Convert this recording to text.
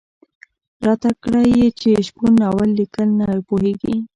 راته کړه یې چې شپون ناول ليکل نه پوهېږي.